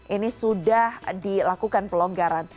ini sudah dilakukan pelonggaran